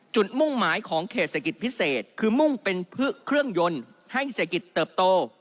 มุ่งหมายของเขตเศรษฐกิจพิเศษคือมุ่งเป็นเครื่องยนต์ให้เศรษฐกิจเติบโต